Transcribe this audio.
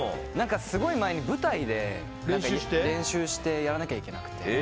すごい前に舞台で練習してやらなきゃいけなくて。